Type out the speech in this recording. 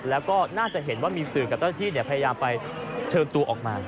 แล้วก็น่าจะเห็นว่ามีสื่อกับเจ้าที่พยายามไปเชิญตัวออกมา